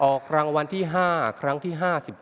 ออกทางวันที่๕ครั้งที่๕๘